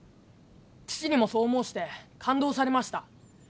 父にもそう申して勘当されました。